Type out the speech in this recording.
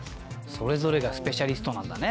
それぞれがスペシャリストなんだね。